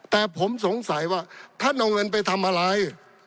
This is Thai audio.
แต่ผมสงสัยว่าท่านเอาเงินไปทำอะไร